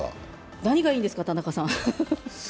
何がいいんですか、田中さん。